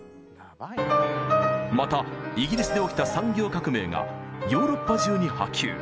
またイギリスで起きた産業革命がヨーロッパ中に波及。